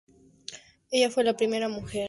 Ella fue la primera mujer miembro de este sindicato.